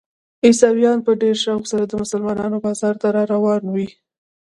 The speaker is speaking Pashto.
عیسویان په ډېر شوق سره د مسلمانانو بازار ته روان وي.